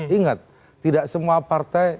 ingat tidak semua partai